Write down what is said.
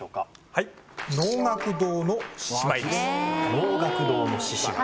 はい「能楽堂の獅子舞」